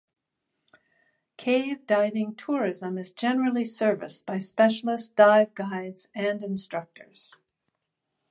Cave diving tourism is generally serviced by specialist dive guides and instructors.